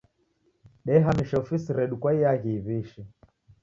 Dehamisha ofisi redu kwa iaghi iw'ishi.